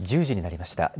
１０時になりました。